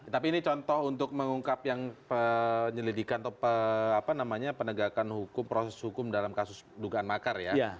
tapi ini contoh untuk mengungkap yang penyelidikan atau penegakan hukum proses hukum dalam kasus dugaan makar ya